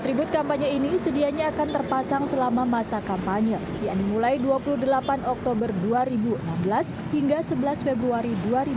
atribut kampanye ini sedianya akan terpasang selama masa kampanye yang dimulai dua puluh delapan oktober dua ribu enam belas hingga sebelas februari dua ribu delapan belas